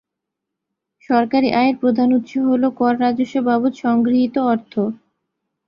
সরকারি আয়ের প্রধান উৎস হলো কর রাজস্ব বাবদ সংগৃহীত অর্থ।